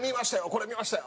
これ見ましたよ」。